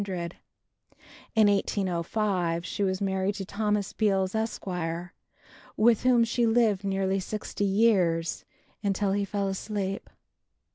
In 1805 she was married to Thomas Beals, Esq., with whom she lived nearly sixty years, until he fell asleep.